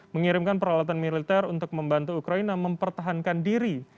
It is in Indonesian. mengirimkan peralatan militer untuk membantu ukraina mempertahankan diri